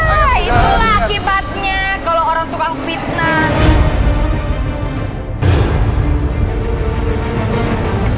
itu lah akibatnya kalau orang tukang fitnah